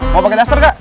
mau pakai duster kak